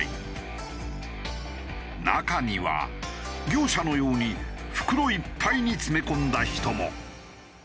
中には業者のように袋いっぱいに詰め込んだ人も。